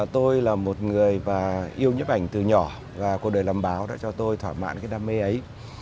tôi là một người yêu nhấp ảnh từ nhỏ và cuộc đời làm báo đã cho tôi thoải mạn cái đam mê ấy